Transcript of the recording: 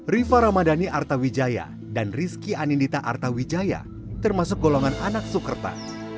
rifa ramadhani artawijaya dan rizki anindita artawijaya termasuk golongan anak soekerta